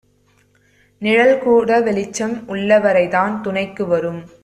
நிழல் கூட வெளிச்சம் உள்ளவரைதான் துணைக்கு வரும்.